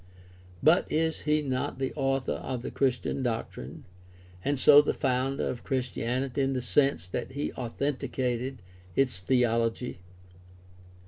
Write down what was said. But is he not the author of the Christian doctrine, and so the founder of Christianity in the sense that he authenticated its theology?